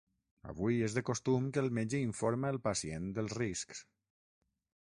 Avui, és de costum que el metge informa el pacient dels riscs.